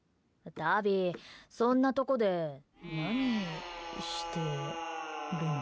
タビそんなとこで何をしてるんだ？